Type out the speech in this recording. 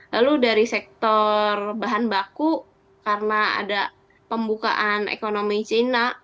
lalu dari sektor bahan baku karena ada pembukaan ekonomi cina